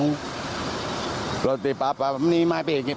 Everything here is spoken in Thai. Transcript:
เขาติดอับว่ามีไม้เป็นปริศน์หรอก